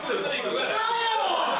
行かんやろ！